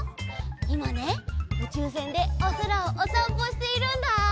いまねうちゅうせんでおそらをおさんぽしているんだ。